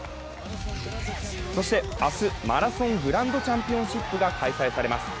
そして明日、マラソングランドチャンピオンシップが開催されます。